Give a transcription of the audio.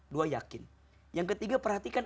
dua yakin yang ketiga perhatikan